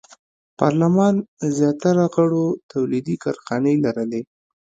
پارلمان زیاتره غړو تولیدي کارخانې لرلې.